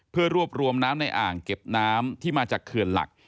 เพื่อรวบรวมน้ำในอ่างเก็บน้ำที่มาจากเขื่อนหลัก